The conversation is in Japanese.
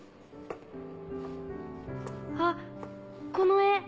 あっこの絵。